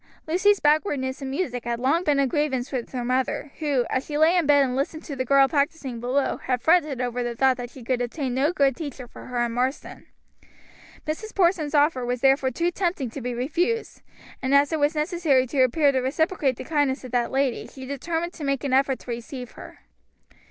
Lucy's backwardness in music had long been a grievance with her mother, who, as she lay in bed and listened to the girl practicing below had fretted over the thought that she could obtain no good teacher for her in Marsden. Mrs. Porson's offer was therefore too tempting to be refused, and as it was necessary to appear to reciprocate the kindness of that lady, she determined to make an effort to receive her.